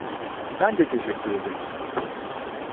Ben de teşekkür ederim.